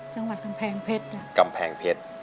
จังหวัดกำแพงเพชร